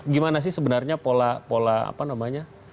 gimana sih sebenarnya pola pola apa namanya